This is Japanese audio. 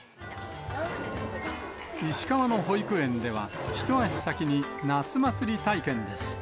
石川の保育園では、一足先に夏祭り体験です。